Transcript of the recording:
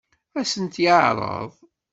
Ad sent-t-yeɛṛeḍ?